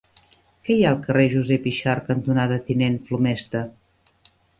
Què hi ha al carrer Josep Yxart cantonada Tinent Flomesta?